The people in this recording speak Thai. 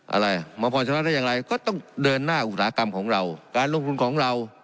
อะไรมาพอล์ทยาลาสได้ยังไงก็ต้องเดินหน้าอุตหากรรมของเราการลงทุนของ